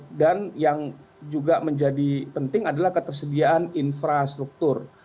nah ini dan yang juga menjadi penting adalah ketersediaan infrastruktur